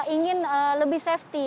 ingin lebih safety